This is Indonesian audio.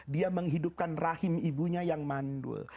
dia menghidupkan rahim ibunya yang mandul